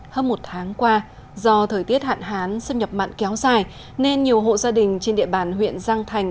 hơn một tháng qua do thời tiết hạn hán xâm nhập mặn kéo dài nên nhiều hộ gia đình trên địa bàn huyện giang thành